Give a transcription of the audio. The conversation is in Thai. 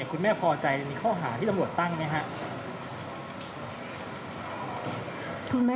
คุณแม่พอใจมีข้อหาที่ทางกำรวจตั้งไหมฮะ